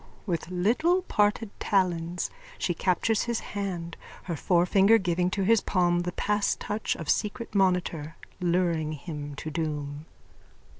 _(With little parted talons she captures his hand, her forefinger giving to his palm the passtouch of secret monitor, luring him to doom.)